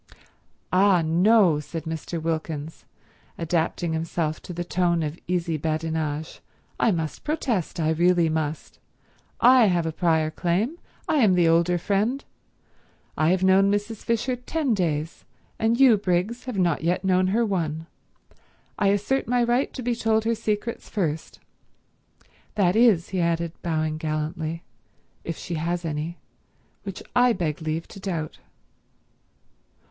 "Ah no," said Mr. Wilkins, adapting himself to this tone of easy badinage, "I must protest. I really must. I have a prior claim, I am the older friend. I have known Mrs. Fisher ten days, and you, Briggs, have not yet known her one. I assert my right to be told her secrets first. That is," he added, bowing gallantly, "if she has any—which I beg leave to doubt."